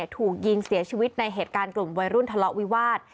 ถูกยิงเสียชีวิตในเหตุการณ์กลุ่มวัยรุ่นทะเลาะวิวาส